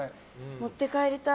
持って帰りたい。